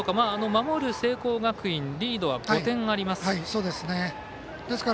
守る聖光学院リードは５点あります。